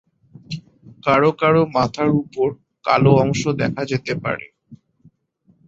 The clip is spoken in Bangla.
কারো কারো মাথার উপর কালো অংশ দেখা যেতে পারে।